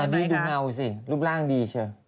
ดูเหงาสิลูกร่างดีเชียว